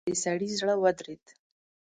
د سړي زړه ودرېد.